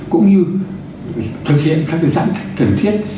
phòng chống dịch cũng như thực hiện các cái giãn cách cần thiết